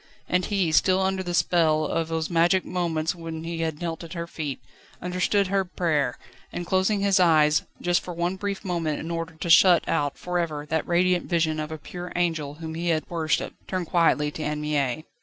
And he, still under the spell of those magic moments when he had knelt at her feet, understood her prayer, and closing his eyes just for one brief moment in order to shut out for ever that radiant vision of a pure angel whom he had worshipped, turned quietly to Anne Mie.